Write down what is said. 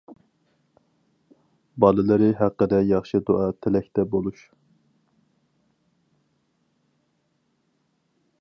بالىلىرى ھەققىدە ياخشى دۇئا تىلەكتە بولۇش.